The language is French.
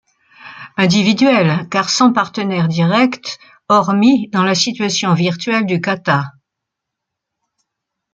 Individuelle car sans partenaire direct, hormis dans la situation virtuelle du kata.